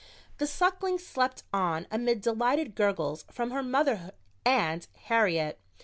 The Suckling slept on amid delighted gurgles from her mother and Harriet.